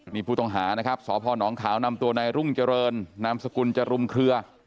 นี่ผู้ต้องหานะครับสพนขาวนำตัวนายรุ่งเจริญนามสกุลจรุมเคลือ